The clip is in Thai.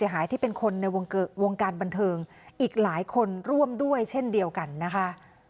หายที่เป็นคนในวงการบันเทิงอีกหลายคนร่วมด้วยเช่นเดียวกันนะคะ